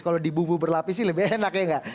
kalau di bumbu berlapis sih lebih enak ya enggak